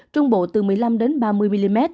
trung bộ từ một mươi năm ba mươi mm